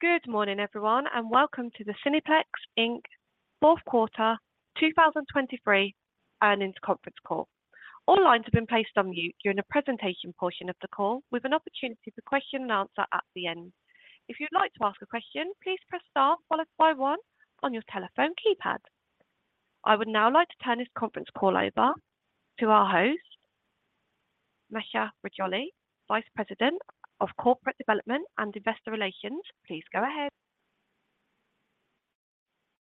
Good morning, everyone, and welcome to the Cineplex Inc. fourth quarter 2023 earnings conference call. All lines have been placed on mute during the presentation portion of the call, with an opportunity for question and answer at the end. If you'd like to ask a question, please press star followed by one on your telephone keypad. I would now like to turn this conference call over to our host, Mahsa Rejali, Vice President of Corporate Development and Investor Relations. Please go ahead.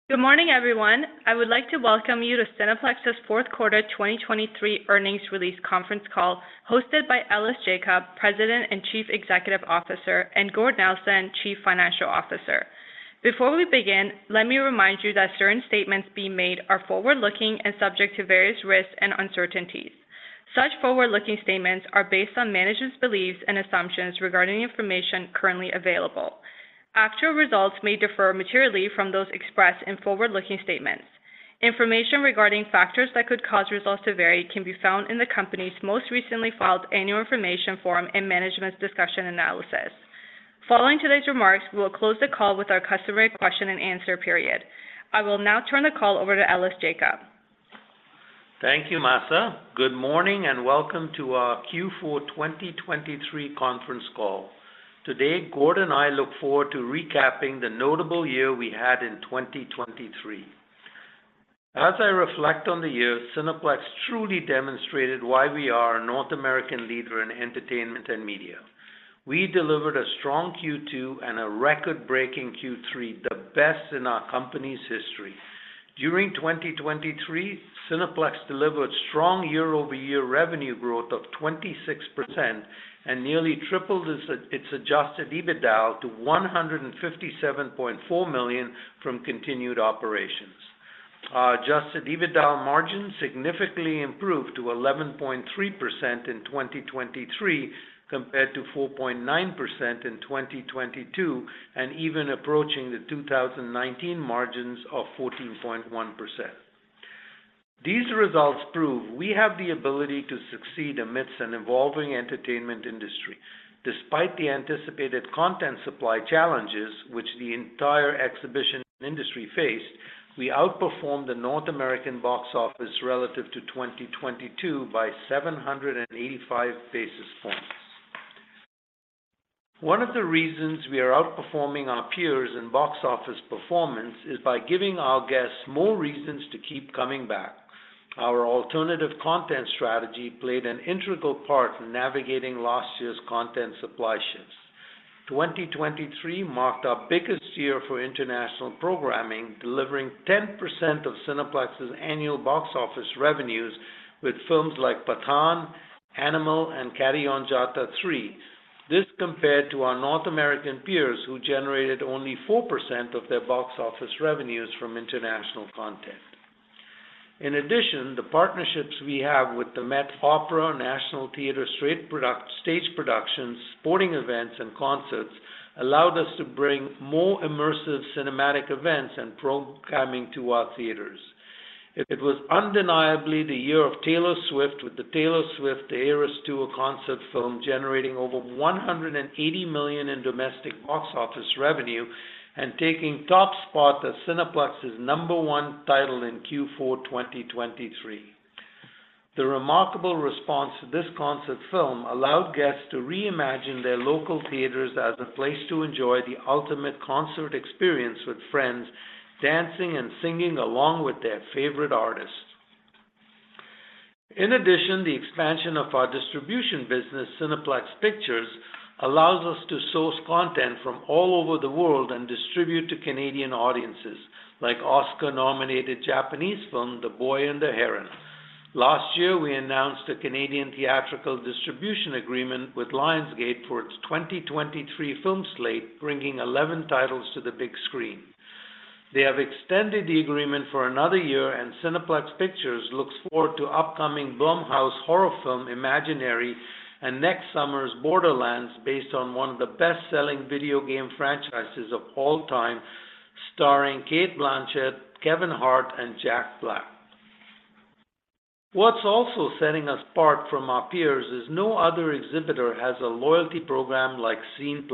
Good morning, everyone. I would like to welcome you to Cineplex's fourth quarter 2023 earnings release conference call, hosted by Ellis Jacob, President and Chief Executive Officer, and Gord Nelson, Chief Financial Officer. Before we begin, let me remind you that certain statements being made are forward-looking and subject to various risks and uncertainties. Such forward-looking statements are based on management's beliefs and assumptions regarding the information currently available. Actual results may differ materially from those expressed in forward-looking statements. Information regarding factors that could cause results to vary can be found in the company's most recently filed annual information form and management's discussion and analysis. Following today's remarks, we will close the call with our customary question and answer period. I will now turn the call over to Ellis Jacob. Thank you, Mahsa. Good morning and welcome to our Q4 2023 conference call. Today, Gord and I look forward to recapping the notable year we had in 2023. As I reflect on the year, Cineplex truly demonstrated why we are a North American leader in entertainment and media. We delivered a strong Q2 and a record-breaking Q3, the best in our company's history. During 2023, Cineplex delivered strong year-over-year revenue growth of 26% and nearly tripled its Adjusted EBITDA to 157.4 million from continued operations. Our Adjusted EBITDA margin significantly improved to 11.3% in 2023, compared to 4.9% in 2022, and even approaching the 2019 margins of 14.1%. These results prove we have the ability to succeed amidst an evolving entertainment industry. Despite the anticipated content supply challenges, which the entire exhibition industry faced, we outperformed the North American box office relative to 2022 by 785 basis points. One of the reasons we are outperforming our peers in box office performance is by giving our guests more reasons to keep coming back. Our alternative content strategy played an integral part in navigating last year's content supply shifts. 2023 marked our biggest year for international programming, delivering 10% of Cineplex's annual box office revenues with films like Pathaan, Animal, and Carry On Jatta 3. This compared to our North American peers, who generated only 4% of their box office revenues from international content. In addition, the partnerships we have with the Met Opera, National Theatre straight product stage productions, sporting events, and concerts allowed us to bring more immersive cinematic events and programming to our theaters. It was undeniably the year of Taylor Swift, with the Taylor Swift Eras Tour concert film generating over 180 million in domestic box office revenue and taking top spot as Cineplex's number one title in Q4 2023. The remarkable response to this concert film allowed guests to reimagine their local theaters as a place to enjoy the ultimate concert experience with friends, dancing and singing along with their favorite artist. In addition, the expansion of our distribution business, Cineplex Pictures, allows us to source content from all over the world and distribute to Canadian audiences, like Oscar-nominated Japanese film, The Boy and the Heron. Last year, we announced a Canadian theatrical distribution agreement with Lionsgate for its 2023 film slate, bringing 11 titles to the big screen. They have extended the agreement for another year, and Cineplex Pictures looks forward to upcoming Blumhouse horror film, Imaginary, and next summer's Borderlands, based on one of the best-selling video game franchises of all time, starring Cate Blanchett, Kevin Hart, and Jack Black. What's also setting us apart from our peers is no other exhibitor has a loyalty program like Scene+,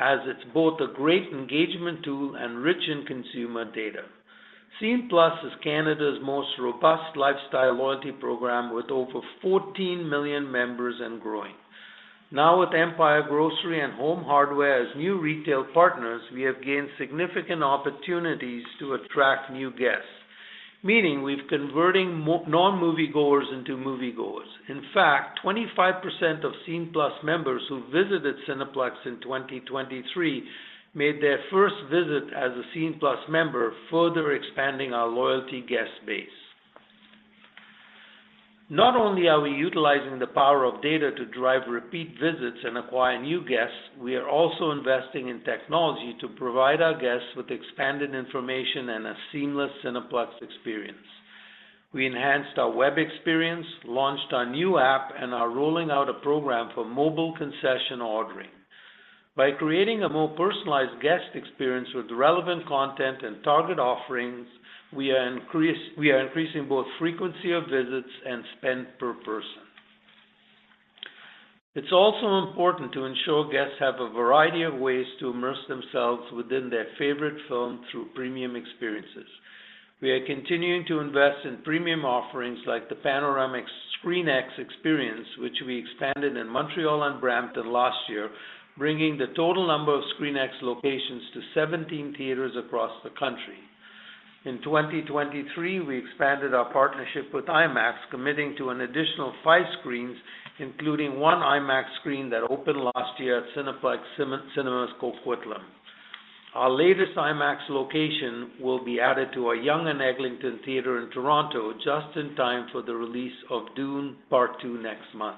as it's both a great engagement tool and rich in consumer data. Scene+ is Canada's most robust lifestyle loyalty program, with over 14 million members and growing. Now, with Empire and Home Hardware as new retail partners, we have gained significant opportunities to attract new guests, meaning we've converting non-moviegoers into moviegoers. In fact, 25% of Scene+ members who visited Cineplex in 2023 made their first visit as a Scene+ member, further expanding our loyalty guest base. Not only are we utilizing the power of data to drive repeat visits and acquire new guests, we are also investing in technology to provide our guests with expanded information and a seamless Cineplex experience. We enhanced our web experience, launched our new app, and are rolling out a program for mobile concession ordering. By creating a more personalized guest experience with relevant content and target offerings, we are increasing both frequency of visits and spend per person. It's also important to ensure guests have a variety of ways to immerse themselves within their favorite film through premium experiences. We are continuing to invest in premium offerings like the panoramic ScreenX experience, which we expanded in Montreal and Brampton last year, bringing the total number of ScreenX locations to 17 theaters across the country. In 2023, we expanded our partnership with IMAX, committing to an additional five screens, including one IMAX screen that opened last year at Cineplex Cinemas, Coquitlam. Our latest IMAX location will be added to our Yonge-Eglinton theater in Toronto, just in time for the release of Dune: Part Two next month.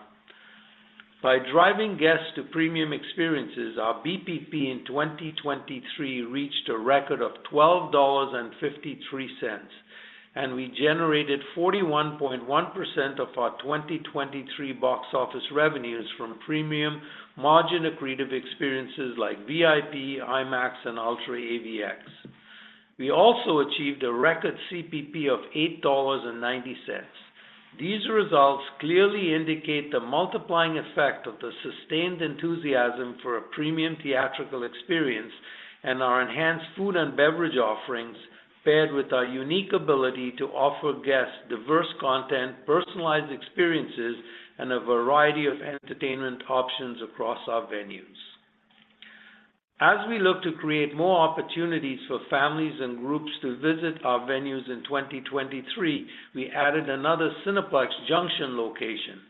By driving guests to premium experiences, our BPP in 2023 reached a record of 12.53 dollars, and we generated 41.1% of our 2023 box office revenues from premium margin-accretive experiences like VIP, IMAX, and UltraAVX. We also achieved a record CPP of 8.90 dollars. These results clearly indicate the multiplying effect of the sustained enthusiasm for a premium theatrical experience and our enhanced food and beverage offerings, paired with our unique ability to offer guests diverse content, personalized experiences, and a variety of entertainment options across our venues. As we look to create more opportunities for families and groups to visit our venues in 2023, we added another Cineplex Junxion location.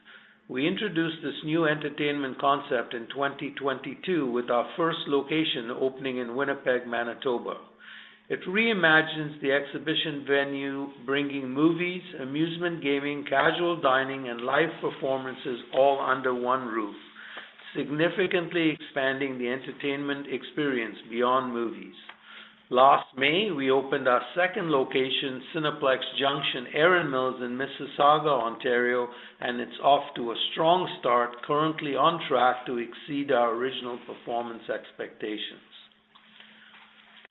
We introduced this new entertainment concept in 2022, with our first location opening in Winnipeg, Manitoba. It reimagines the exhibition venue, bringing movies, amusement, gaming, casual dining, and live performances all under one roof, significantly expanding the entertainment experience beyond movies. Last May, we opened our second location, Cineplex Junxion Erin Mills in Mississauga, Ontario, and it's off to a strong start, currently on track to exceed our original performance expectations.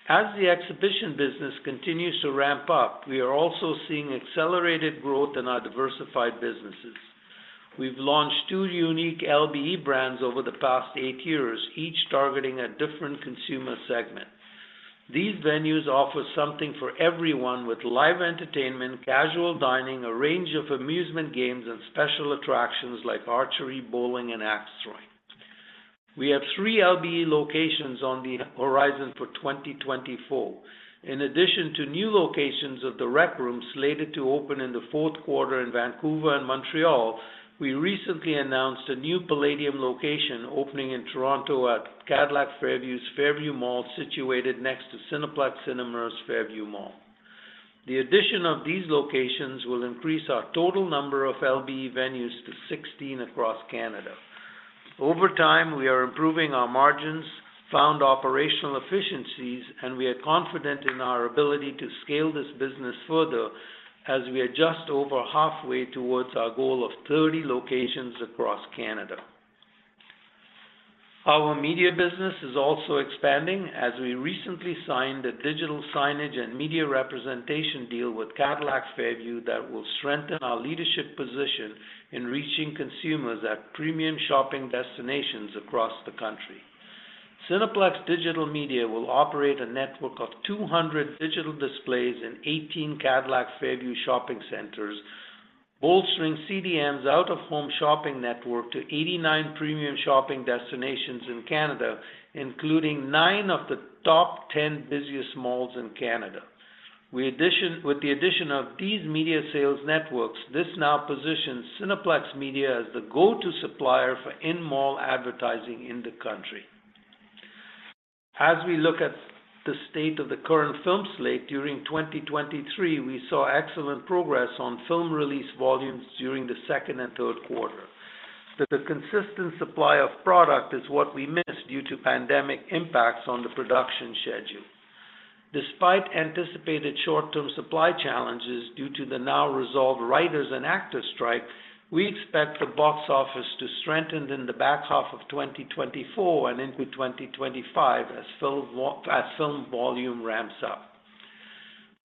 As the exhibition business continues to ramp up, we are also seeing accelerated growth in our diversified businesses. We've launched 2 unique LBE brands over the past 8 years, each targeting a different consumer segment. These venues offer something for everyone with live entertainment, casual dining, a range of amusement games, and special attractions like archery, bowling, and axe throwing. We have 3 LBE locations on the horizon for 2024. In addition to new locations of the Rec Rooms, slated to open in the fourth quarter in Vancouver and Montreal, we recently announced a new Playdium location opening in Toronto at Cadillac Fairview's Fairview Mall, situated next to Cineplex Cinemas, Fairview Mall. The addition of these locations will increase our total number of LBE venues to 16 across Canada. Over time, we are improving our margins, found operational efficiencies, and we are confident in our ability to scale this business further as we are just over halfway towards our goal of 30 locations across Canada. Our media business is also expanding, as we recently signed a digital signage and media representation deal with Cadillac Fairview that will strengthen our leadership position in reaching consumers at premium shopping destinations across the country. Cineplex Digital Media will operate a network of 200 digital displays in 18 Cadillac Fairview shopping centers, bolstering CDM's out-of-home shopping network to 89 premium shopping destinations in Canada, including nine of the top 10 busiest malls in Canada. With the addition of these media sales networks, this now positions Cineplex Media as the go-to supplier for in-mall advertising in the country. As we look at the state of the current film slate, during 2023, we saw excellent progress on film release volumes during the second and third quarter. The consistent supply of product is what we missed due to pandemic impacts on the production schedule. Despite anticipated short-term supply challenges due to the now-resolved writers and actors strike, we expect the box office to strengthen in the back half of 2024 and into 2025 as film volume ramps up.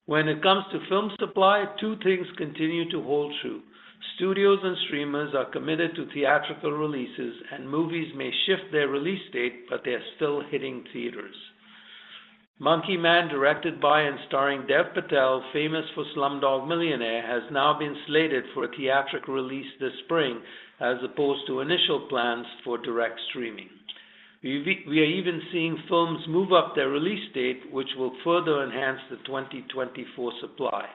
When it comes to film supply, two things continue to hold true: studios and streamers are committed to theatrical releases, and movies may shift their release date, but they are still hitting theaters. Monkey Man, directed by and starring Dev Patel, famous for Slumdog Millionaire, has now been slated for a theatrical release this spring, as opposed to initial plans for direct streaming. We are even seeing films move up their release date, which will further enhance the 2024 supply.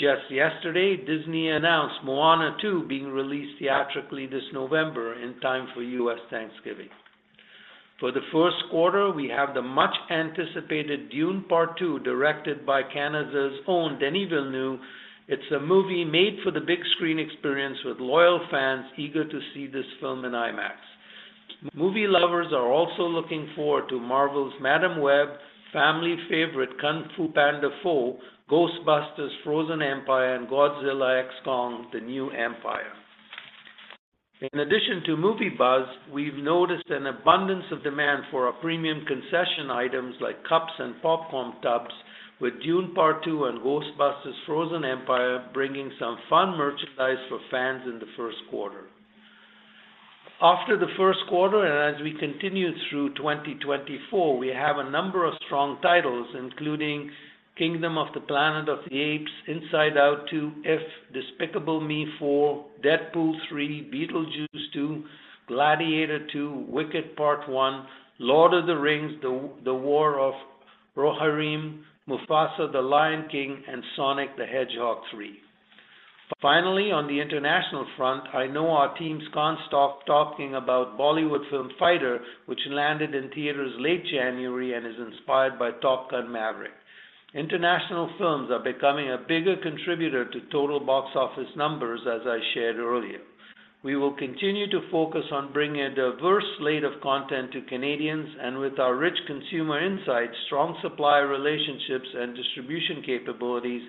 Just yesterday, Disney announced Moana 2 being released theatrically this November in time for U.S. Thanksgiving. For the first quarter, we have the much-anticipated Dune: Part Two, directed by Canada's own Denis Villeneuve. It's a movie made for the big screen experience, with loyal fans eager to see this film in IMAX. Movie lovers are also looking forward to Marvel's Madame Web, family favorite Kung Fu Panda 4, Ghostbusters: Frozen Empire, and Godzilla x Kong: The New Empire. In addition to movie buzz, we've noticed an abundance of demand for our premium concession items like cups and popcorn tubs... with Dune: Part Two and Ghostbusters: Frozen Empire, bringing some fun merchandise for fans in the first quarter. After the first quarter, and as we continue through 2024, we have a number of strong titles, including Kingdom of the Planet of the Apes, Inside Out 2, If, Despicable Me 4, Deadpool 3, Beetlejuice 2, Gladiator 2, Wicked Part One, Lord of the Rings: The War of the Rohirrim, Mufasa: The Lion King, and Sonic the Hedgehog 3. Finally, on the international front, I know our teams can't stop talking about Bollywood film, Fighter, which landed in theaters late January and is inspired by Top Gun: Maverick. International films are becoming a bigger contributor to total box office numbers, as I shared earlier. We will continue to focus on bringing a diverse slate of content to Canadians, and with our rich consumer insights, strong supplier relationships, and distribution capabilities,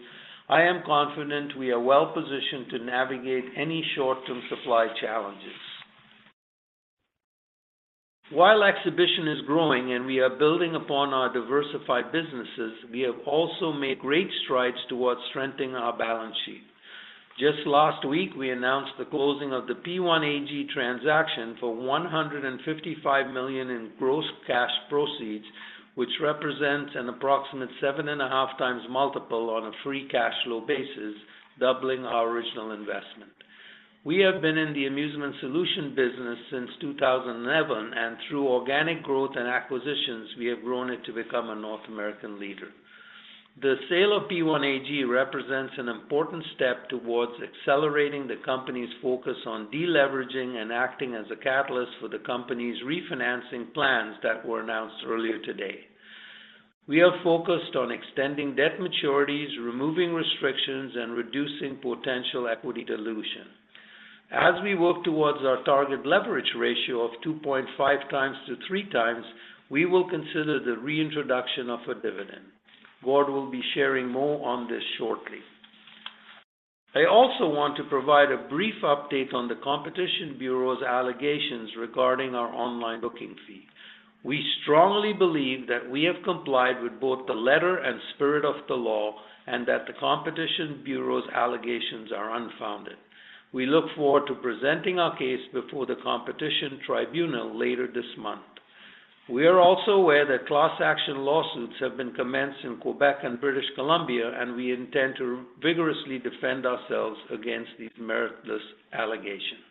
I am confident we are well-positioned to navigate any short-term supply challenges. While exhibition is growing and we are building upon our diversified businesses, we have also made great strides towards strengthening our balance sheet. Just last week, we announced the closing of the P1AG transaction for 155 million in gross cash proceeds, which represents an approximate 7.5x multiple on a free cash flow basis, doubling our original investment. We have been in the amusement solution business since 2011, and through organic growth and acquisitions, we have grown it to become a North American leader. The sale of P1AG represents an important step towards accelerating the company's focus on deleveraging and acting as a catalyst for the company's refinancing plans that were announced earlier today. We are focused on extending debt maturities, removing restrictions, and reducing potential equity dilution. As we work towards our target leverage ratio of 2.5x to 3x, we will consider the reintroduction of a dividend. Gord will be sharing more on this shortly. I also want to provide a brief update on the Competition Bureau's allegations regarding our online booking fee. We strongly believe that we have complied with both the letter and spirit of the law, and that the Competition Bureau's allegations are unfounded. We look forward to presenting our case before the Competition Tribunal later this month. We are also aware that class action lawsuits have been commenced in Quebec and British Columbia, and we intend to vigorously defend ourselves against these meritless allegations.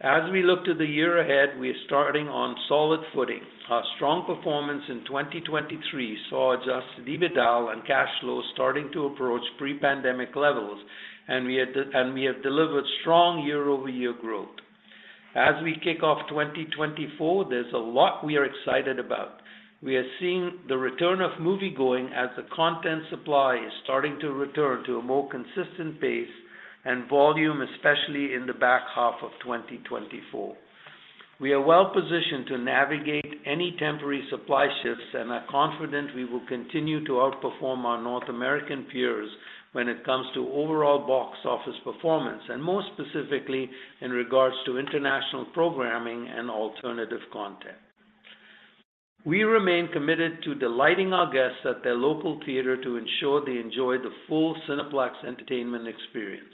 As we look to the year ahead, we are starting on solid footing. Our strong performance in 2023 saw adjusted EBITDA and cash flow starting to approach pre-pandemic levels, and we have delivered strong year-over-year growth. As we kick off 2024, there's a lot we are excited about. We are seeing the return of moviegoing as the content supply is starting to return to a more consistent pace and volume, especially in the back half of 2024. We are well-positioned to navigate any temporary supply shifts and are confident we will continue to outperform our North American peers when it comes to overall box office performance, and more specifically, in regards to international programming and alternative content. We remain committed to delighting our guests at their local theater to ensure they enjoy the full Cineplex entertainment experience.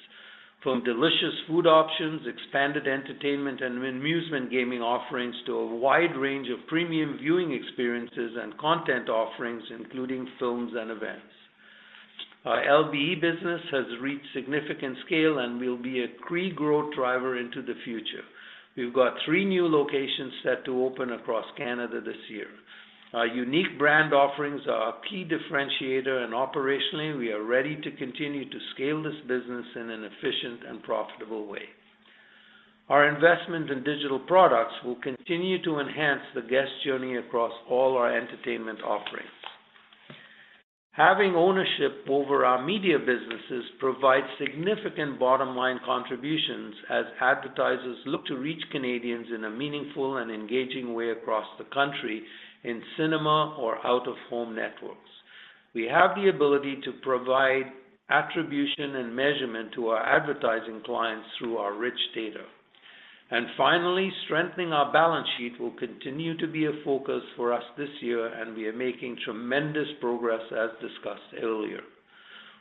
From delicious food options, expanded entertainment, and amusement gaming offerings, to a wide range of premium viewing experiences and content offerings, including films and events. Our LBE business has reached significant scale and will be a key growth driver into the future. We've got three new locations set to open across Canada this year. Our unique brand offerings are our key differentiator, and operationally, we are ready to continue to scale this business in an efficient and profitable way. Our investment in digital products will continue to enhance the guest journey across all our entertainment offerings. Having ownership over our media businesses provides significant bottom-line contributions as advertisers look to reach Canadians in a meaningful and engaging way across the country in cinema or out-of-home networks. We have the ability to provide attribution and measurement to our advertising clients through our rich data. Finally, strengthening our balance sheet will continue to be a focus for us this year, and we are making tremendous progress, as discussed earlier.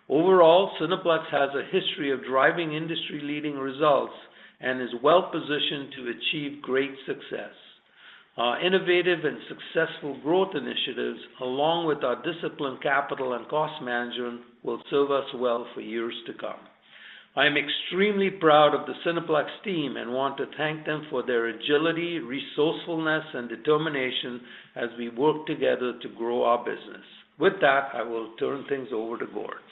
Overall, Cineplex has a history of driving industry-leading results and is well-positioned to achieve great success. Our innovative and successful growth initiatives, along with our disciplined capital and cost management, will serve us well for years to come. I am extremely proud of the Cineplex team and want to thank them for their agility, resourcefulness, and determination as we work together to grow our business. With that, I will turn things over to Gord.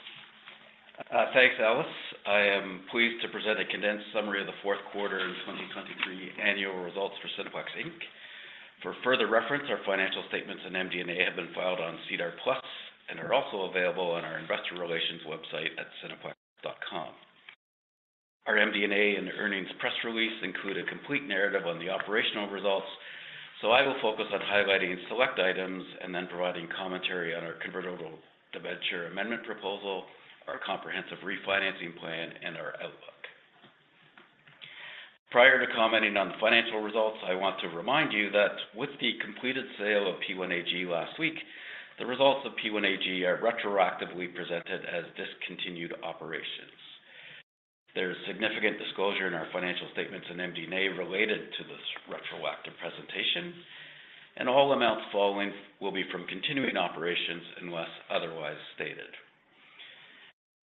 Thanks, Ellis. I am pleased to present a condensed summary of the fourth quarter and 2023 annual results for Cineplex Inc. For further reference, our financial statements and MD&A have been filed on SEDAR+ and are also available on our investor relations website at cineplex.com. Our MD&A and earnings press release include a complete narrative on the operational results, so I will focus on highlighting select items and then providing commentary on our convertible debenture amendment proposal, our comprehensive refinancing plan, and our outlook. Prior to commenting on the financial results, I want to remind you that with the completed sale of P1AG last week, the results of P1AG are retroactively presented as discontinued operations. There's significant disclosure in our financial statements and MD&A related to this retroactive presentation, and all amounts following will be from continuing operations unless otherwise stated.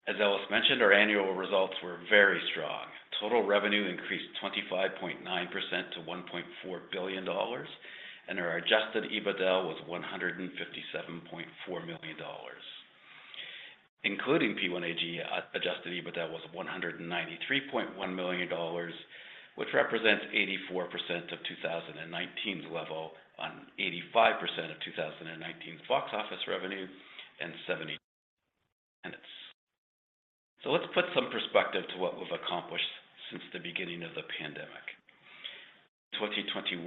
As Ellis mentioned, our annual results were very strong. Total revenue increased 25.9% to 1.4 billion dollars, and our Adjusted EBITDA was 157.4 million dollars. Including P1AG, Adjusted EBITDA was 193.1 million dollars, which represents 84% of 2019's level on 85% of 2019's box office revenue and 70% attendance. So let's put some perspective to what we've accomplished since the beginning of the pandemic. In 2021,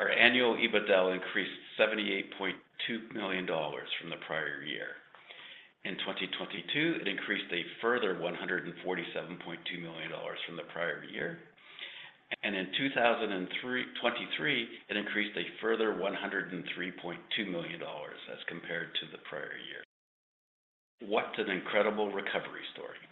our annual EBITDA increased 78.2 million dollars from the prior year. In 2022, it increased a further 147.2 million dollars from the prior year. And in 2023, it increased a further 103.2 million dollars as compared to the prior year. What an incredible recovery story!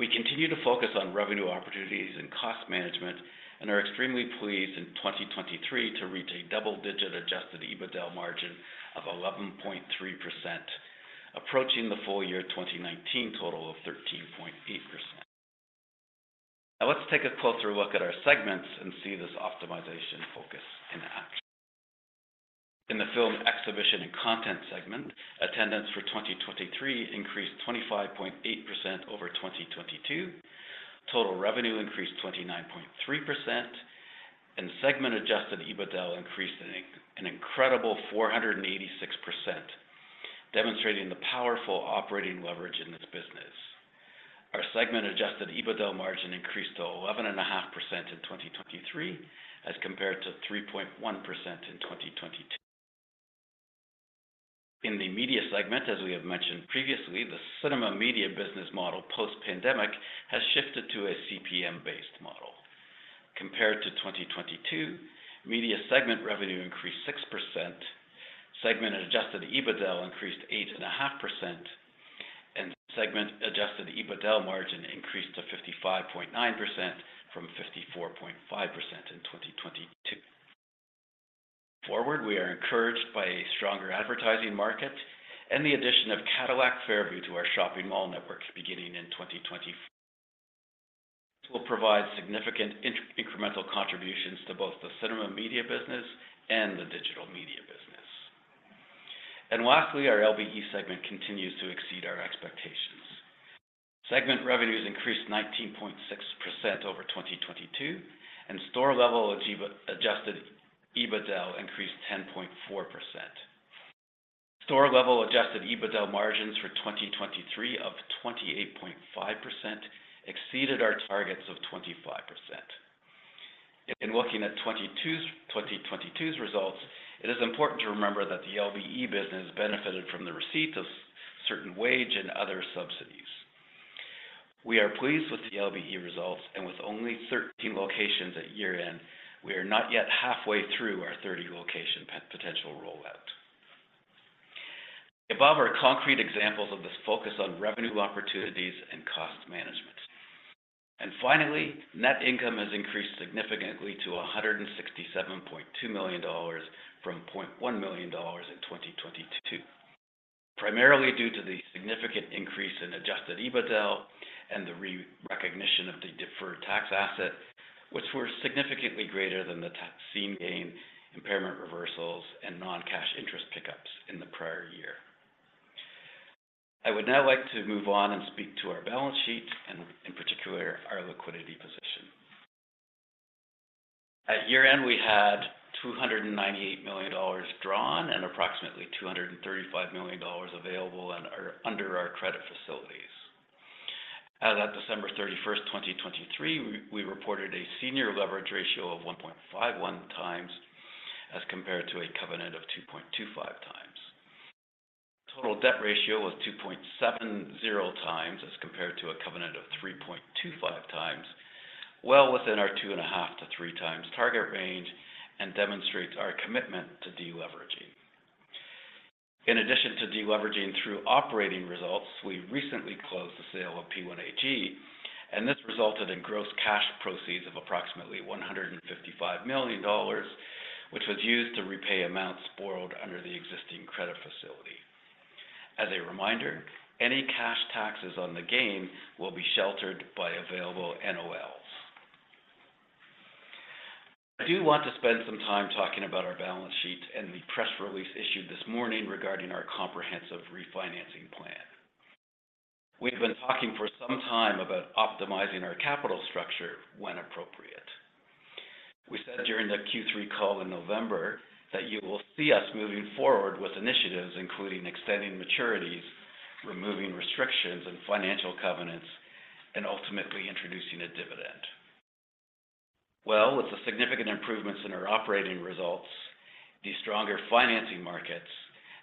We continue to focus on revenue opportunities and cost management and are extremely pleased in 2023 to reach a double-digit adjusted EBITDA margin of 11.3%, approaching the full year 2019 total of 13.8%. Now, let's take a closer look at our segments and see this optimization focus in action. In the film exhibition and content segment, attendance for 2023 increased 25.8% over 2022. Total revenue increased 29.3%, and segment adjusted EBITDA increased an incredible 486%, demonstrating the powerful operating leverage in this business. Our segment adjusted EBITDA margin increased to 11.5% in 2023, as compared to 3.1% in 2022. In the media segment, as we have mentioned previously, the cinema media business model, post-pandemic has shifted to a CPM-based model. Compared to 2022, media segment revenue increased 6%, segment adjusted EBITDA increased 8.5%, and segment adjusted EBITDA margin increased to 55.9% from 54.5% in 2022. Forward, we are encouraged by a stronger advertising market and the addition of Cadillac Fairview to our shopping mall network beginning in 2024. This will provide significant incremental contributions to both the cinema media business and the digital media business. Lastly, our LBE segment continues to exceed our expectations. Segment revenues increased 19.6% over 2022, and store-level adjusted EBITDA increased 10.4%. Store-level adjusted EBITDA margins for 2023 of 28.5% exceeded our targets of 25%. In looking at 2022's results, it is important to remember that the LBE business benefited from the receipt of certain wage and other subsidies. We are pleased with the LBE results, and with only 13 locations at year-end, we are not yet halfway through our 30-location potential rollout. The above are concrete examples of this focus on revenue opportunities and cost management. Finally, net income has increased significantly to 167.2 million dollars from 0.1 million dollars in 2022, primarily due to the significant increase in Adjusted EBITDA and the re-recognition of the deferred tax asset, which were significantly greater than the tax and gain, impairment reversals, and non-cash interest pickups in the prior year. I would now like to move on and speak to our balance sheet and, in particular, our liquidity position. At year-end, we had 298 million dollars drawn and approximately 235 million dollars available under our credit facilities. As at December 31, 2023, we reported a senior leverage ratio of 1.51 times, as compared to a covenant of 2.25 times. Total debt ratio was 2.70 times, as compared to a covenant of 3.25 times, well within our 2.5-3 times target range and demonstrates our commitment to deleveraging. In addition to deleveraging through operating results, we recently closed the sale of P1AG, and this resulted in gross cash proceeds of approximately 155 million dollars, which was used to repay amounts borrowed under the existing credit facility. As a reminder, any cash taxes on the gain will be sheltered by available NOLs. I do want to spend some time talking about our balance sheet and the press release issued this morning regarding our comprehensive refinancing plan. We've been talking for some time about optimizing our capital structure when appropriate. We said during the Q3 call in November that you will see us moving forward with initiatives including extending maturities, removing restrictions and financial covenants, and ultimately introducing a dividend.... Well, with the significant improvements in our operating results, the stronger financing markets,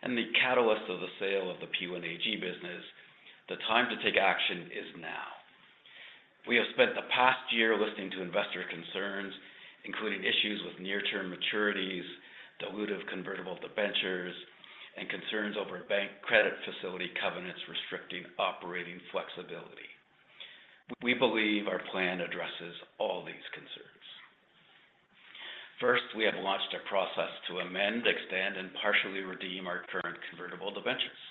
and the catalyst of the sale of the P1AG business, the time to take action is now. We have spent the past year listening to investor concerns, including issues with near-term maturities, dilutive Convertible Debentures, and concerns over bank credit facility covenants restricting operating flexibility. We believe our plan addresses all these concerns. First, we have launched a process to amend, extend, and partially redeem our current Convertible Debentures.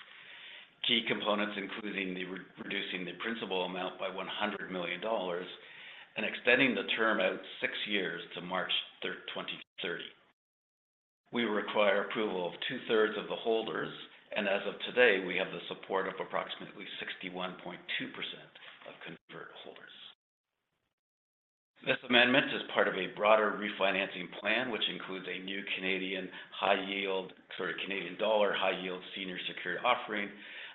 Key components including the reducing the principal amount by 100 million dollars and extending the term out six years to March 3, 2030. We require approval of two-thirds of the holders, and as of today, we have the support of approximately 61.2% of convert holders. This amendment is part of a broader refinancing plan, which includes a new Canadian high yield, sorry, Canadian dollar, high yield senior secured offering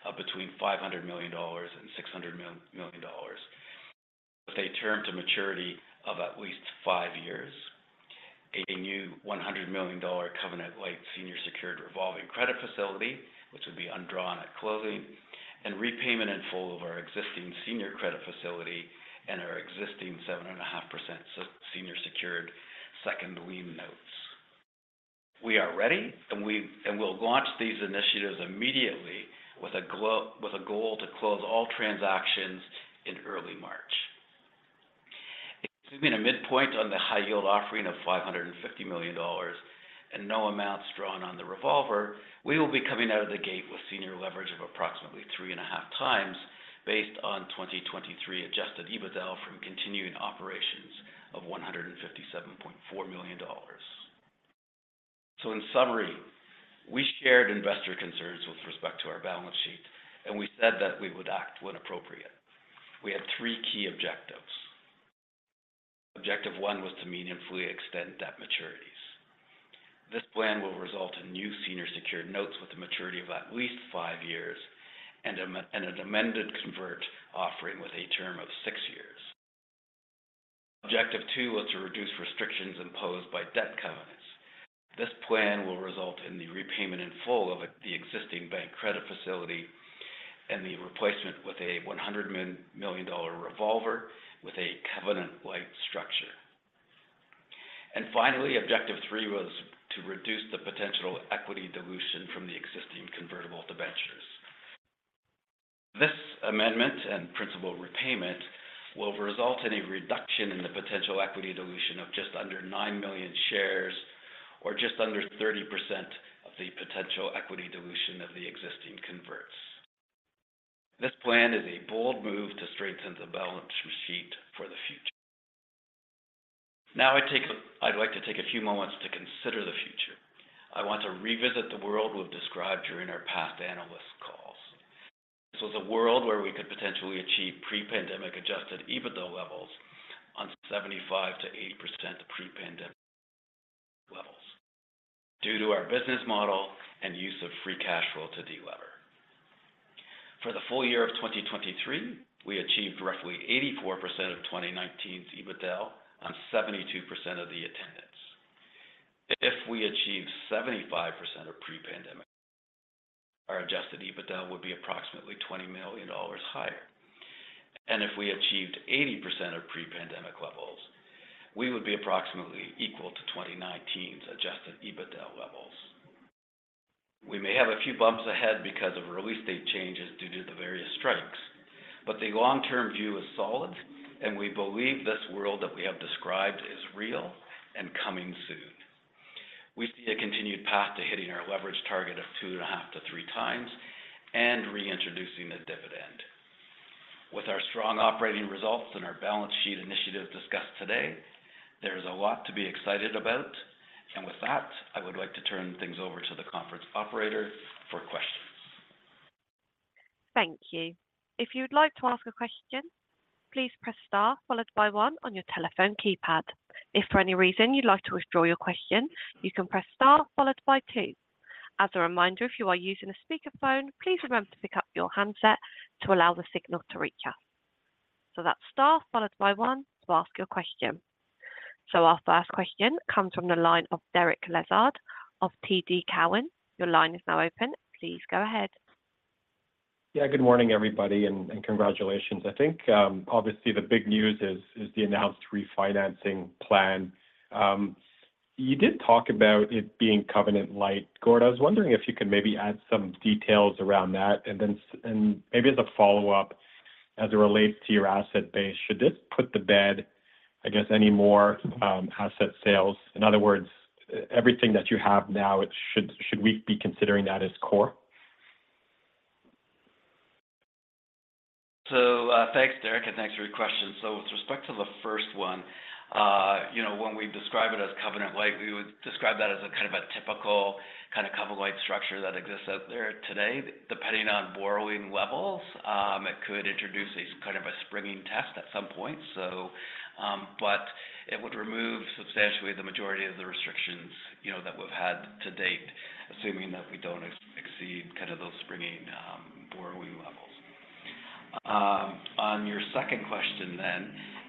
of between 500 million dollars and 600 million dollars, with a term to maturity of at least five years. A new 100 million dollar Covenant-Lite senior secured revolving credit facility, which would be undrawn at closing, and repayment in full of our existing senior credit facility and our existing 7.5% senior secured second lien notes. We are ready, and we'll launch these initiatives immediately with a goal to close all transactions in early March. Assuming a midpoint on the high yield offering of 550 million dollars and no amounts drawn on the revolver, we will be coming out of the gate with senior leverage of approximately 3.5 times, based on 2023 adjusted EBITDA from continuing operations of 157.4 million dollars. So in summary, we shared investor concerns with respect to our balance sheet, and we said that we would act when appropriate. We had three key objectives. Objective one was to meaningfully extend debt maturities. This plan will result in new senior secured notes with a maturity of at least 5 years and an amended convert offering with a term of 6 years. Objective two was to reduce restrictions imposed by debt covenants. This plan will result in the repayment in full of the existing bank credit facility and the replacement with a 100 million dollar revolver with a covenant-like structure. And finally, objective three was to reduce the potential equity dilution from the existing Convertible Debentures. This amendment and principal repayment will result in a reduction in the potential equity dilution of just under 9 million shares or just under 30% of the potential equity dilution of the existing converts. This plan is a bold move to strengthen the balance sheet for the future. Now, I'd like to take a few moments to consider the future. I want to revisit the world we've described during our past analyst calls. The world where we could potentially achieve pre-pandemic adjusted EBITDA levels on 75%-80% pre-pandemic levels, due to our business model and use of free cash flow to delever. For the full year of 2023, we achieved roughly 84% of 2019's EBITDA on 72% of the attendance. If we achieved 75% of pre-pandemic, our adjusted EBITDA would be approximately 20 million dollars higher. If we achieved 80% of pre-pandemic levels, we would be approximately equal to 2019's adjusted EBITDA levels. We may have a few bumps ahead because of real estate changes due to the various strikes, but the long-term view is solid, and we believe this world that we have described is real and coming soon. We see a continued path to hitting our leverage target of 2.5-3 times and reintroducing the dividend. With our strong operating results and our balance sheet initiatives discussed today, there is a lot to be excited about. With that, I would like to turn things over to the conference operator for questions. Thank you. If you'd like to ask a question, please press star, followed by one on your telephone keypad. If for any reason you'd like to withdraw your question, you can press star, followed by two. As a reminder, if you are using a speakerphone, please remember to pick up your handset to allow the signal to reach us. So that's star, followed by one to ask your question. So our first question comes from the line of Derek Lessard of TD Cowen. Your line is now open. Please go ahead. Yeah, good morning, everybody, and congratulations. I think, obviously, the big news is the announced refinancing plan. You did talk about it being covenant-lite. Gord, I was wondering if you could maybe add some details around that, and then, maybe as a follow-up, as it relates to your asset base, should this put to bed, I guess, any more asset sales? In other words, everything that you have now, should we be considering that as core? So, thanks, Derek, and thanks for your question. So with respect to the first one, you know, when we describe it as covenant-lite, we would describe that as a kind of a typical kind of covenant-lite structure that exists out there today. Depending on borrowing levels, it could introduce a kind of a springing test at some point. So, but it would remove substantially the majority of the restrictions, you know, that we've had to date, assuming that we don't exceed kind of those springing, borrowing levels. On your second question then,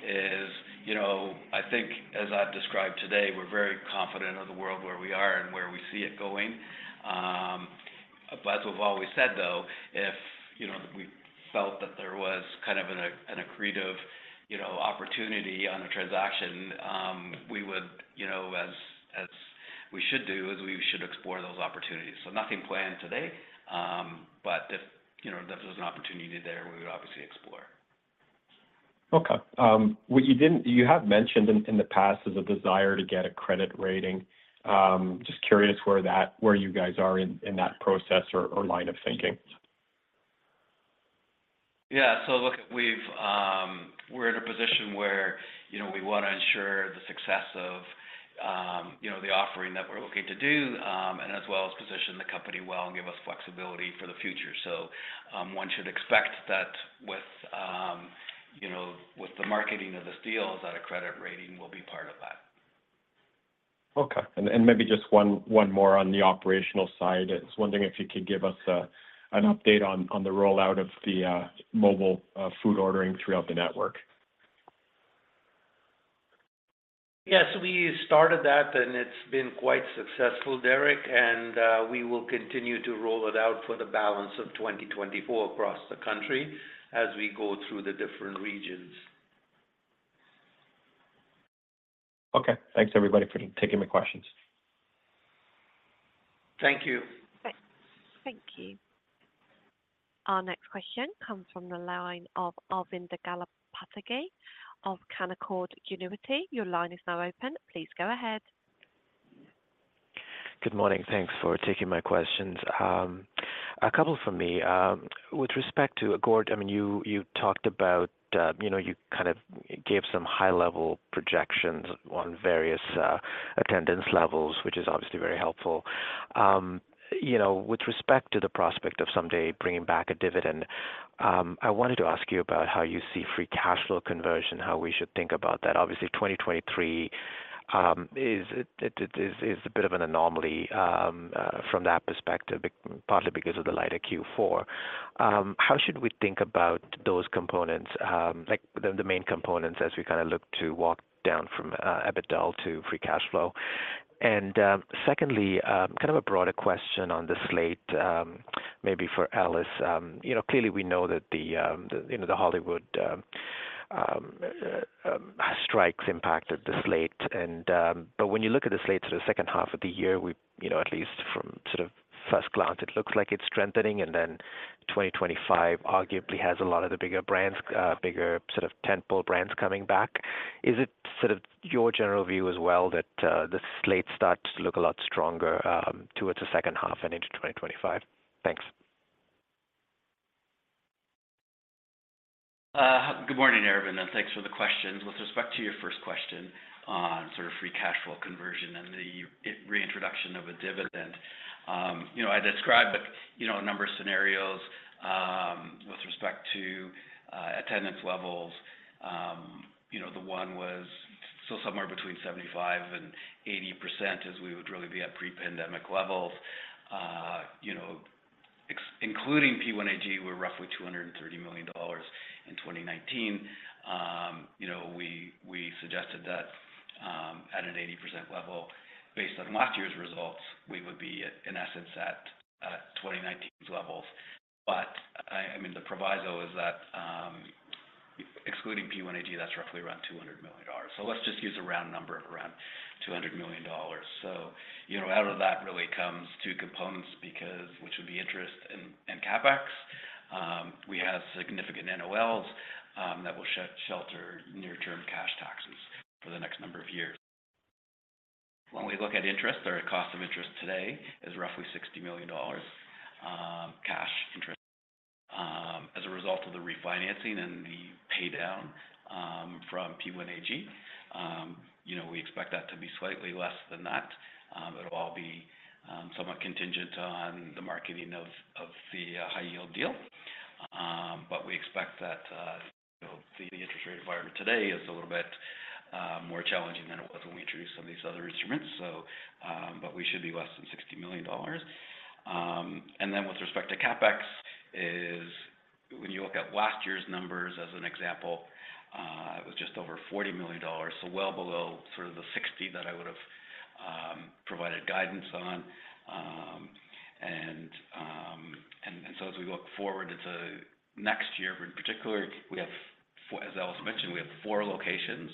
is, you know, I think as I've described today, we're very confident of the world where we are and where we see it going. But as we've always said, though, if, you know, we felt that there was kind of an, an accretive, you know, opportunity on a transaction, we would, you know, as, as we should do, is we should explore those opportunities. So nothing planned today, but if, you know, there was an opportunity there, we would obviously explore. Okay. What you didn't mention in the past is a desire to get a credit rating. Just curious where you guys are in that process or line of thinking? Yeah. So look, we've, we're in a position where, you know, we want to ensure the success of, you know, the offering that we're looking to do, and as well as position the company well and give us flexibility for the future. So, one should expect that with, you know, with the marketing of this deal, is that a credit rating will be part of that. Okay. And maybe just one more on the operational side. I was wondering if you could give us an update on the rollout of the mobile food ordering throughout the network. Yes, we started that, and it's been quite successful, Derek, and we will continue to roll it out for the balance of 2024 across the country as we go through the different regions. Okay. Thanks, everybody, for taking my questions. Thank you. Thank you. Our next question comes from the line of Arvind Galappatthige of Canaccord Genuity. Your line is now open. Please go ahead. Good morning. Thanks for taking my questions. A couple from me. With respect to Gord, I mean, you, you talked about, you know, you kind of gave some high-level projections on various attendance levels, which is obviously very helpful. You know, with respect to the prospect of someday bringing back a dividend, I wanted to ask you about how you see free cash flow conversion, how we should think about that. Obviously, 2023 is a bit of an anomaly from that perspective, partly because of the lighter Q4. How should we think about those components, like the main components as we kind of look to walk down from EBITDA to free cash flow? And secondly, kind of a broader question on the slate, maybe for Ellis. You know, clearly, we know that the Hollywood strikes impacted the slate, and but when you look at the slate for the second half of the year, you know, at least from sort of first glance, it looks like it's strengthening, and then 2025 arguably has a lot of the bigger brands, bigger sort of tentpole brands coming back. Is it sort of your general view as well, that the slate starts to look a lot stronger, towards the second half and into 2025? Thanks. Good morning, Arvind, and thanks for the questions. With respect to your first question on sort of free cash flow conversion and the reintroduction of a dividend, you know, I described, you know, a number of scenarios, with respect to attendance levels. You know, the one was still somewhere between 75%-80% as we would really be at pre-pandemic levels. You know, excluding P1AG, we're roughly 230 million dollars in 2019. You know, we suggested that, at an 80% level, based on last year's results, we would be, in essence, at 2019 levels. But, I mean, the proviso is that, excluding P1AG, that's roughly around 200 million dollars. So let's just use a round number of around 200 million dollars. So, you know, out of that really comes two components, because which would be interest and, and CapEx. We have significant NOLs, that will shelter near-term cash taxes for the next number of years. When we look at interest, our cost of interest today is roughly 60 million dollars, cash interest. As a result of the refinancing and the paydown, from P1AG, you know, we expect that to be slightly less than that. It'll all be, somewhat contingent on the marketing of, of the, high-yield deal. But we expect that, you know, the interest rate environment today is a little bit, more challenging than it was when we introduced some of these other instruments. So, but we should be less than 60 million dollars. And then with respect to CapEx, when you look at last year's numbers as an example, it was just over 40 million dollars, so well below sort of the 60 million that I would have provided guidance on. And so as we look forward into next year, in particular, we have four—as Ellis mentioned, we have four locations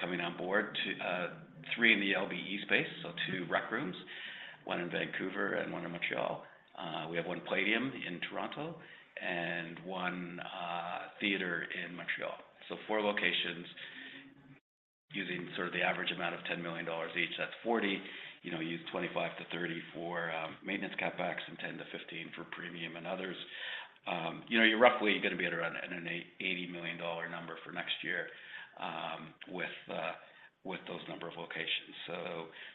coming on board, to three in the LBE space, so two Rec Rooms, one in Vancouver and one in Montreal. We have one Playdium in Toronto and one theater in Montreal. So four locations using sort of the average amount of 10 million dollars each, that's 40. You know, use 25 million-30 million for maintenance CapEx and 10 million-15 million for premium and others. You know, you're roughly going to be at around a 880 million dollar number for next year, with those number of locations.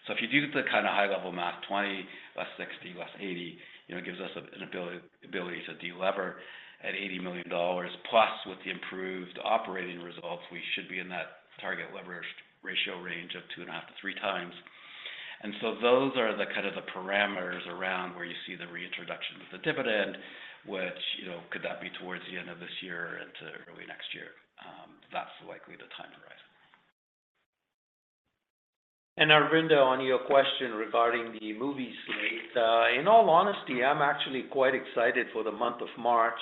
So if you do the kind of high-level math, 20 less 60, less 80, you know, it gives us an ability to delever at 80 million dollars, plus with the improved operating results, we should be in that target leverage ratio range of 2.5-3 times. So those are the kind of the parameters around where you see the reintroduction of the dividend, which, you know, could that be towards the end of this year into early next year? That's likely the time frame. Arvind, on your question regarding the movie slate, in all honesty, I'm actually quite excited for the month of March.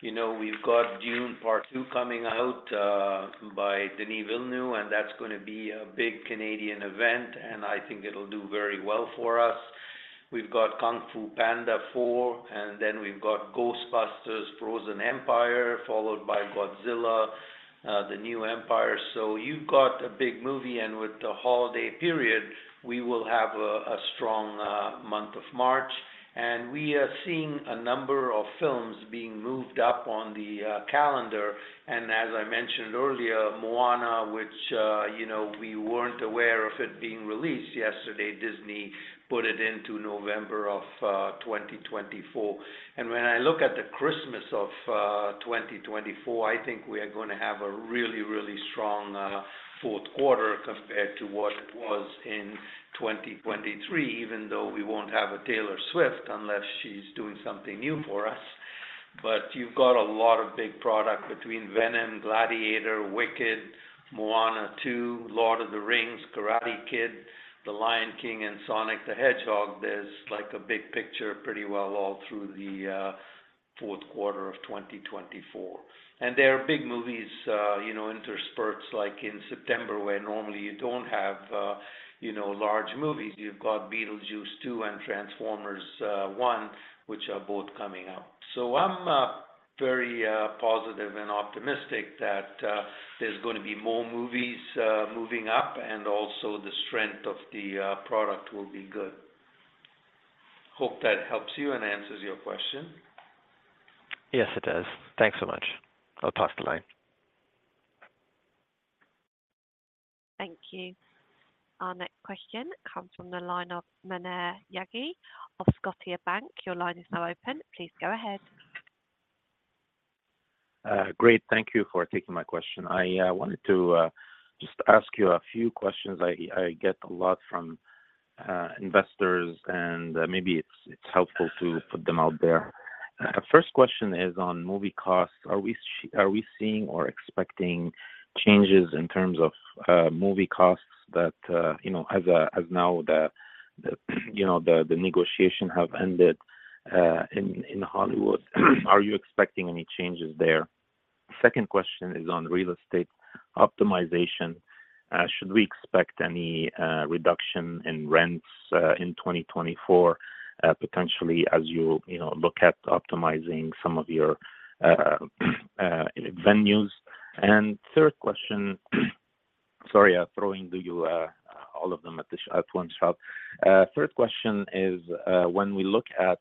You know, we've got Dune: Part Two coming out by Denis Villeneuve, and that's gonna be a big Canadian event, and I think it'll do very well for us. We've got Kung Fu Panda 4, and then we've got Ghostbusters: Frozen Empire, followed by Godzilla: The New Empire. So you've got a big movie, and with the holiday period, we will have a strong month of March. And we are seeing a number of films being moved up on the calendar, and as I mentioned earlier, Moana, which, you know, we weren't aware of it being released yesterday, Disney put it into November of 2024. And when I look at the Christmas of 2024, I think we are gonna have a really, really strong fourth quarter compared to what it was in 2023, even though we won't have a Taylor Swift, unless she's doing something new for us. But you've got a lot of big product between Venom, Gladiator, Wicked, Moana 2, Lord of the Rings, Karate Kid, The Lion King, and Sonic the Hedgehog. There's, like, a big picture pretty well all through the fourth quarter of 2024. And there are big movies, you know, interspersed, like in September, where normally you don't have you know, large movies. You've got Beetlejuice 2 and Transformers One, which are both coming out. I'm very positive and optimistic that there's gonna be more movies moving up, and also the strength of the product will be good. Hope that helps you and answers your question. Yes, it does. Thanks so much. I'll pass the line. Thank you. Our next question comes from the line of Maher Yaghi of Scotiabank. Your line is now open. Please go ahead. Great. Thank you for taking my question. I wanted to just ask you a few questions I get a lot from investors, and maybe it's helpful to put them out there. First question is on movie costs. Are we seeing or expecting changes in terms of movie costs that you know, as now the negotiation have ended in Hollywood? Are you expecting any changes there? Second question is on real estate optimization. Should we expect any reduction in rents in 2024 potentially as you know look at optimizing some of your venues? And third question, sorry, throwing to you all of them at one shot. Third question is, when we look at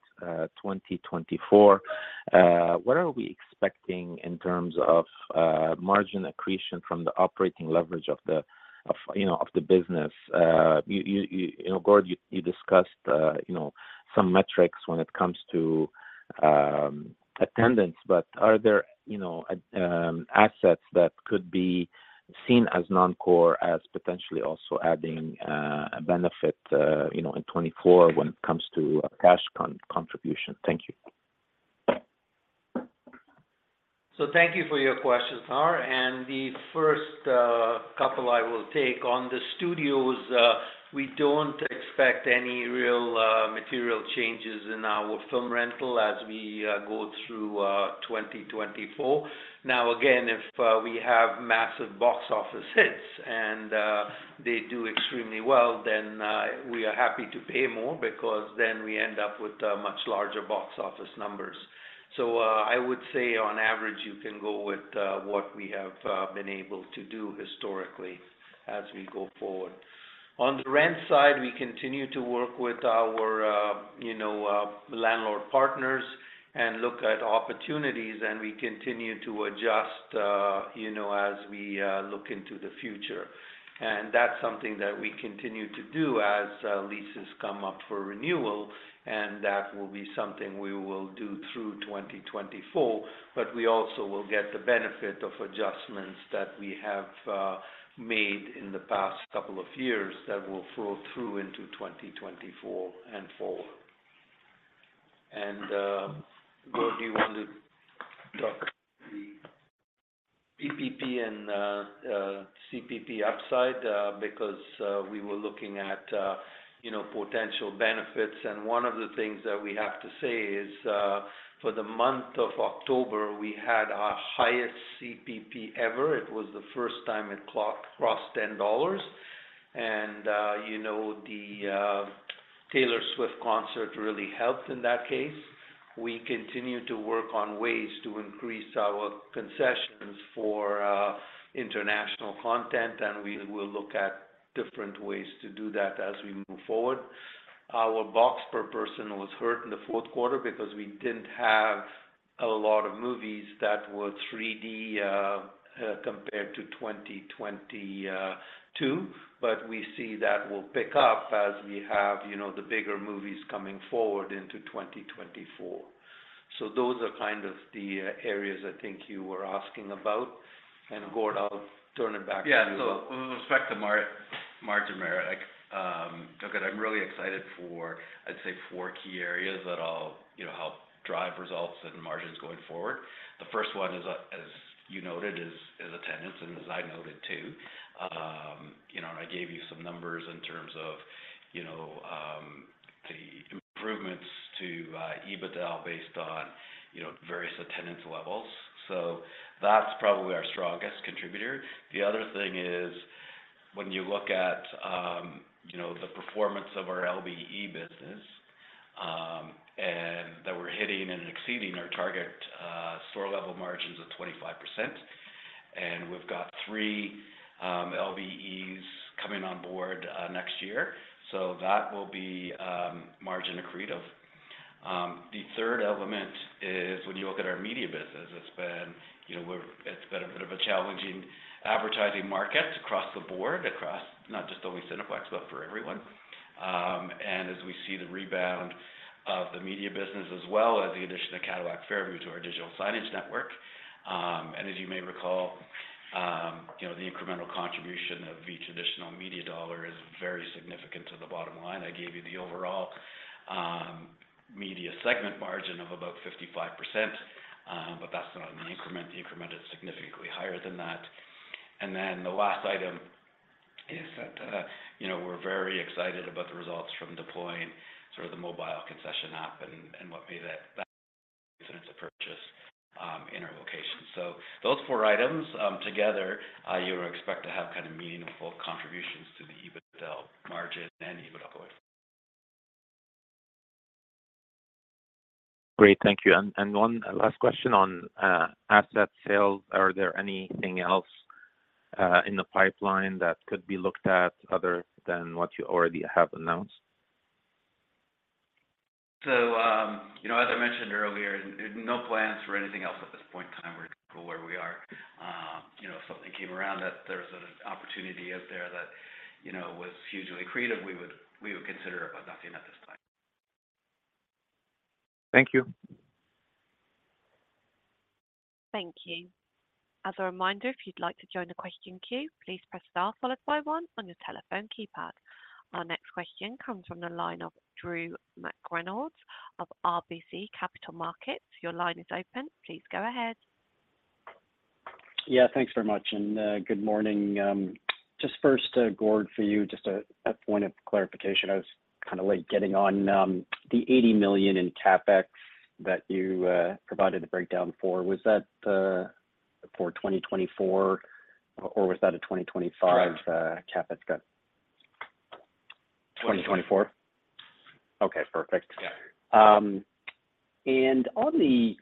2024, what are we expecting in terms of margin accretion from the operating leverage of the business? You know, Gord, you discussed, you know, some metrics when it comes to attendance, but are there, you know, assets that could be seen as non-core as potentially also adding a benefit, you know, in 2024 when it comes to a cash contribution? Thank you. Thank you for your question, Maher, and the first couple I will take. On the studios, we don't expect any real material changes in our film rental as we go through 2024. Now, again, if we have massive box office hits and they do extremely well, then we are happy to pay more because then we end up with much larger box office numbers. So, I would say on average, you can go with what we have been able to do historically as we go forward. On the rent side, we continue to work with our you know, landlord partners and look at opportunities, and we continue to adjust you know, as we look into the future. That's something that we continue to do as leases come up for renewal, and that will be something we will do through 2024, but we also will get the benefit of adjustments that we have made in the past couple of years that will flow through into 2024 and forward. Gord, do you want to talk the BPP and CPP upside? Because we were looking at, you know, potential benefits, and one of the things that we have to say is, for the month of October, we had our highest CPP ever. It was the first time it crossed 10 dollars, and you know, the Taylor Swift concert really helped in that case. We continue to work on ways to increase our concessions for international content, and we will look at different ways to do that as we move forward. Our box per person was hurt in the fourth quarter because we didn't have a lot of movies that were 3D compared to 2022, but we see that will pick up as we have, you know, the bigger movies coming forward into 2024. So those are kind of the areas I think you were asking about. And, Gord, I'll turn it back to you. Yeah. So with respect to margin, Maher, I look, I'm really excited for, I'd say, four key areas that I'll, you know, help drive results and margins going forward. The first one is, as you noted, is attendance, and as I noted too. You know, and I gave you some numbers in terms of, you know, the improvements to EBITDA based on, you know, various attendance levels. So that's probably our strongest contributor. The other thing is, when you look at, you know, the performance of our LBE business, and that we're hitting and exceeding our target store-level margins of 25%, and we've got three LBEs coming on board next year, so that will be margin accretive. The third element is when you look at our media business, it's been, you know, it's been a bit of a challenging advertising market across the board, across not just only Cineplex, but for everyone. And as we see the rebound of the media business, as well as the addition of Cadillac Fairview to our digital signage network, and as you may recall, you know, the incremental contribution of each additional media dollar is very significant to the bottom line. I gave you the overall media segment margin of about 55%, but that's not on the increment. The increment is significantly higher than that. And then the last item is that, you know, we're very excited about the results from deploying sort of the mobile concession app and, and what be that, that instance of purchase in our location. So those four items, together, you would expect to have kind of meaningful contributions to the EBITDA margin and EBITDAaL. Great, thank you. And one last question on asset sales. Are there anything else in the pipeline that could be looked at other than what you already have announced? You know, as I mentioned earlier, there are no plans for anything else at this point in time. We're cool where we are. You know, if something came around, that there was an opportunity out there that, you know, was hugely accretive, we would, we would consider it, but nothing at this time. Thank you. Thank you. As a reminder, if you'd like to join the question queue, please press Star followed by One on your telephone keypad. Our next question comes from the line of Drew McReynolds of RBC Capital Markets. Your line is open. Please go ahead. Yeah, thanks very much, and good morning. Just first to Gord, for you, just a point of clarification. I was kind of late getting on, the 80 million in CapEx that you provided a breakdown for. Was that for 2024, or was that a 2025? Correct. -CapEx guide? 2024. Okay, perfect. Yeah. On the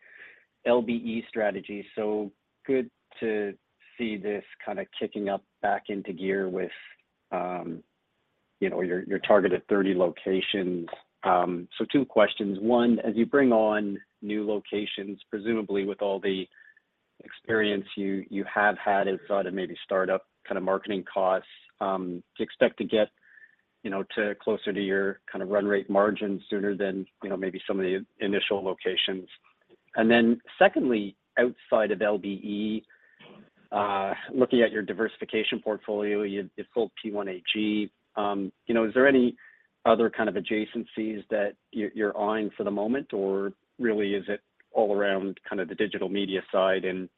LBE strategy, so good to see this kind of kicking up back into gear with, you know, your, your targeted 30 locations. Two questions. One, as you bring on new locations, presumably with all the experience you, you have had inside of maybe start-up kind of marketing costs, do you expect to get, you know, to closer to your kind of run rate margin sooner than, you know, maybe some of the initial locations? And then secondly, outside of LBE, looking at your diversification portfolio, you, you've sold P1AG. You know, is there any other kind of adjacencies that you're, you're eyeing for the moment? Or really, is it all around kind of the digital media side and,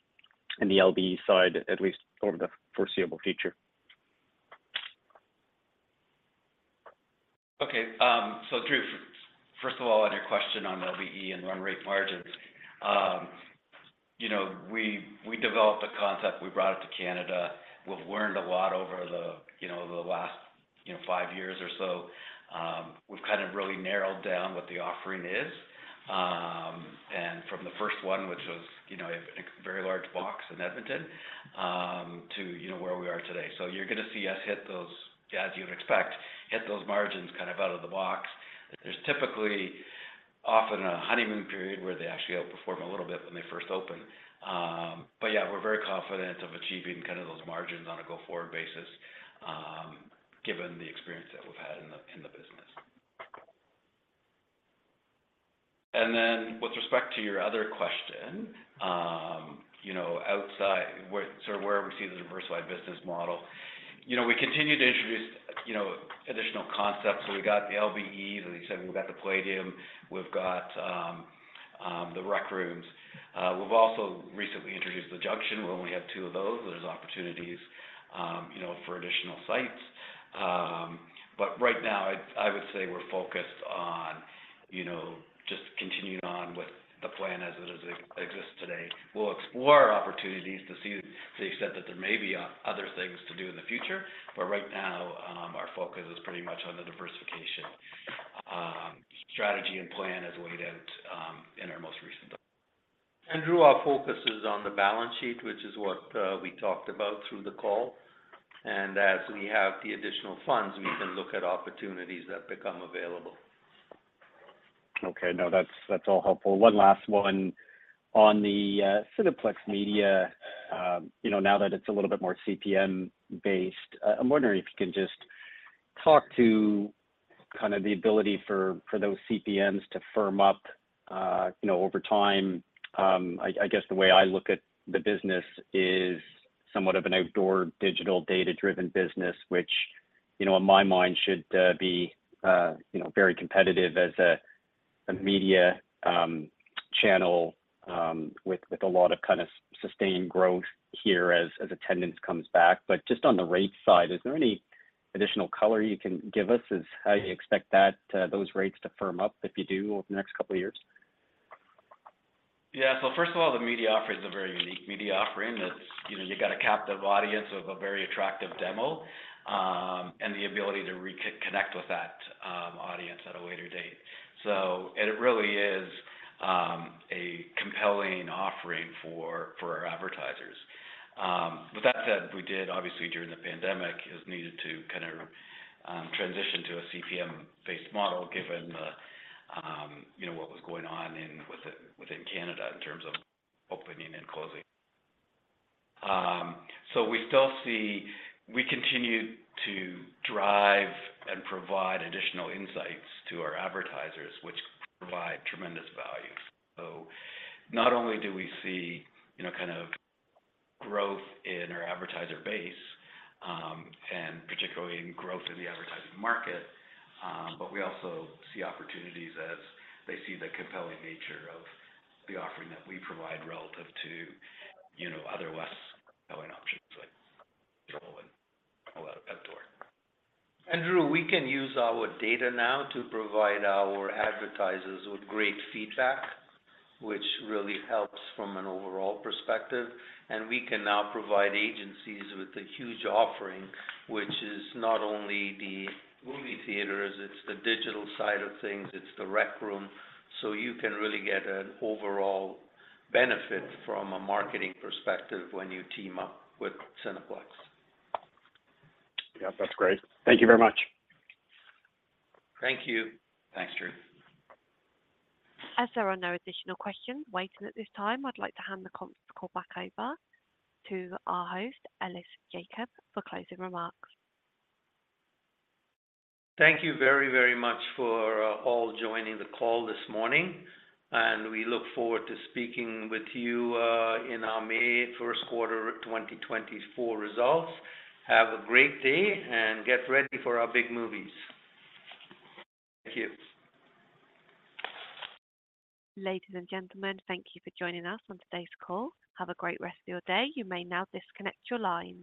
and the LBE side, at least over the foreseeable future? Okay. So Drew, first of all, on your question on LBE and run rate margins, you know, we, we developed a concept, we brought it to Canada. We've learned a lot over the, you know, the last, you know, five years or so. We've kind of really narrowed down what the offering is. And from the first one, which was, you know, a, a very large box in Edmonton, to, you know, where we are today. So you're gonna see us hit those, as you'd expect, hit those margins kind of out of the box. There's typically often a honeymoon period where they actually outperform a little bit when they first open. But yeah, we're very confident of achieving kind of those margins on a go-forward basis, given the experience that we've had in the, in the business. Then with respect to your other question, you know, outside sort of where we see the diversified business model, you know, we continue to introduce, you know, additional concepts. We got the LBE, as you said, we've got the Playdium, we've got the Rec Rooms. We've also recently introduced the Junxion, where we only have two of those. There's opportunities, you know, for additional sites. But right now, I would say we're focused on, you know, just continuing on with the plan as it is exists today. We'll explore opportunities to see the extent that there may be other things to do in the future, but right now, our focus is pretty much on the diversification strategy and plan as laid out in our most recent report. Drew, our focus is on the balance sheet, which is what we talked about through the call. As we have the additional funds, we can look at opportunities that become available. Okay. No, that's, that's all helpful. One last one. On the Cineplex Media, you know, now that it's a little bit more CPM-based, I'm wondering if you can just talk to kind of the ability for those CPMs to firm up, you know, over time. I guess the way I look at the business is somewhat of an outdoor digital data-driven business, which, you know, in my mind, should be very competitive as a media channel, with a lot of kind of sustained growth here as attendance comes back. But just on the rate side, is there any additional color you can give us as how you expect that those rates to firm up, if you do, over the next couple of years? Yeah. So first of all, the media offering is a very unique media offering. That's, you know, you got a captive audience of a very attractive demo, and the ability to reconnect with that audience at a later date. So and it really is a compelling offering for our advertisers. With that said, we did, obviously, during the pandemic, as needed to kind of transition to a CPM-based model, given the, you know, what was going on within Canada in terms of opening and closing. So we still see... We continue to drive and provide additional insights to our advertisers, which provide tremendous value. So not only do we see, you know, kind of growth in our advertiser base, and particularly in growth in the advertising market, but we also see opportunities as they see the compelling nature of the offering that we provide relative to, you know, other less compelling options, like digital and outdoor. Drew, we can use our data now to provide our advertisers with great feedback, which really helps from an overall perspective. We can now provide agencies with a huge offering, which is not only the movie theaters, it's the digital side of things, it's the Rec Room. So you can really get an overall benefit from a marketing perspective when you team up with Cineplex. Yeah, that's great. Thank you very much. Thank you. Thanks, Drew. As there are no additional questions waiting at this time, I'd like to hand the conference call back over to our host, Ellis Jacob, for closing remarks. Thank you very, very much for all joining the call this morning, and we look forward to speaking with you in our May first quarter of 2024 results. Have a great day, and get ready for our big movies. Thank you. Ladies and gentlemen, thank you for joining us on today's call. Have a great rest of your day. You may now disconnect your lines.